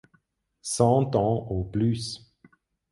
Cent ans au plus.